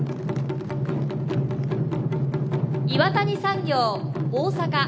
岩谷産業・大阪。